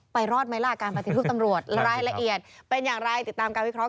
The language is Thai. รอดไหมล่ะการปฏิรูปตำรวจรายละเอียดเป็นอย่างไรติดตามการวิเคราะ